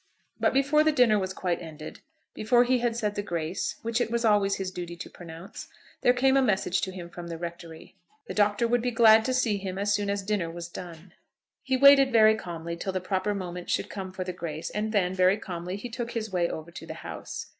But before the dinner was quite ended, before he had said the grace which it was always his duty to pronounce, there came a message to him from the rectory. "The Doctor would be glad to see him as soon as dinner was done." He waited very calmly till the proper moment should come for the grace, and then, very calmly, he took his way over to the house.